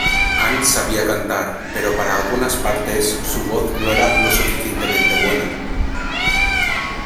Ann sabía cantar, pero para algunas partes su voz no era lo suficientemente buena.